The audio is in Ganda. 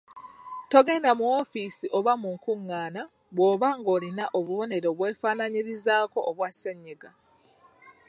Togenda mu woofiisi oba mu nkungaana bw’oba ng’olina obubonero obwefaanaanyirizaako obwa ssennyiga.